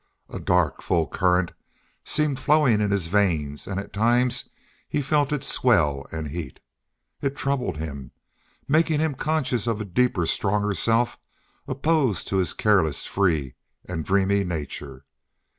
A dark, full current seemed flowing in his veins, and at times he felt it swell and heat. It troubled him, making him conscious of a deeper, stronger self, opposed to his careless, free, and dreamy nature.